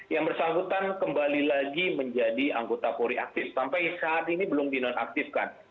yang bersangkutan kembali lagi menjadi anggota polri aktif sampai saat ini belum dinonaktifkan